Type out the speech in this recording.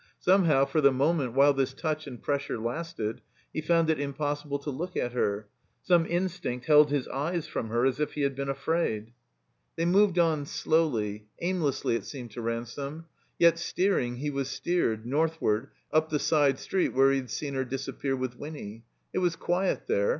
Somehow, for the moment whUe this touch and presstire lasted, he found it impossible to look at her. Some instinct held his eyes from her, as if he had been afraid. They moved on slowly, aimlessly it seemed to Ransome; yet steering he was steered, northward, up the side street where he had seen her disappear with Winny. It was quiet there.